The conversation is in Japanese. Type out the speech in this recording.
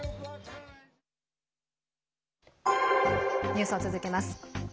ニュースを続けます。